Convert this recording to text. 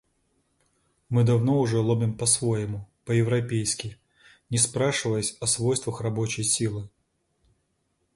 Мы давно уже ломим по-своему, по-европейски, не спрашиваясь о свойствах рабочей силы.